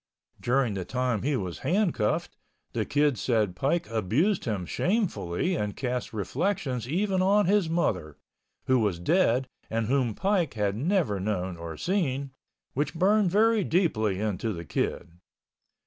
During the time he was handcuffed, the Kid said Pike abused him shamefully and cast reflections even on his mother, who was dead and whom Pike had never known or seen, which burned very deeply into the Kid.